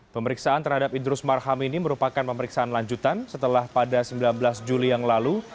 pemeriksaan terhadap idrus marham ini merupakan pemeriksaan lanjutan setelah pada sembilan belas juli yang lalu